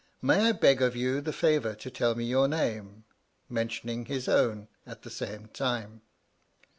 May I beg of you the favour to tell me your name?" mentioning his own at the same time.